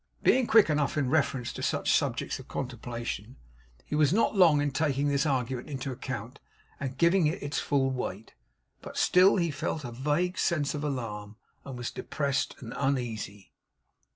Being quick enough, in reference to such subjects of contemplation, he was not long in taking this argument into account and giving it its full weight. But still, he felt a vague sense of alarm, and was depressed and uneasy.